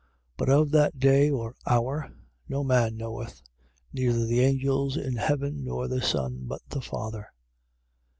13:32. But of that day or hour no man knoweth, neither the angels in heaven, nor the Son, but the Father.